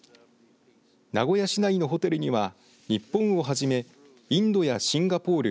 名古屋市内のホテルには日本をはじめインドやシンガポール